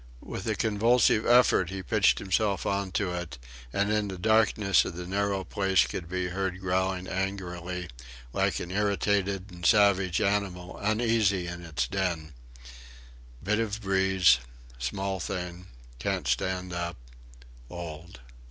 With a convulsive effort he pitched himself on it, and in the darkness of the narrow place could be heard growling angrily, like an irritated and savage animal uneasy in its den: "Bit of breeze... small thing... can't stand up... old!"